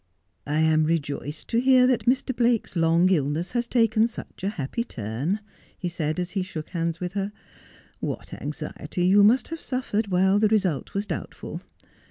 ' I am rejoiced to hear that Mr. Blake's long illness has taken such a happy turn,' he said as he shook hands with her. 'What anxiety you must have suffered while the result was doubtful